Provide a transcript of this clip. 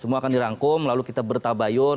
semua akan dirangkum lalu kita bertabayun